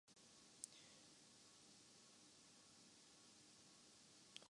دنیا کی صفوں میں اگر ہم پیچھے ہیں۔